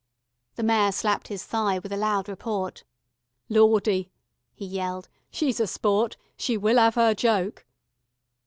The Mayor slapped his thigh with a loud report. "Lawdy," he yelled. "She's a sport. She will 'ave 'er joke."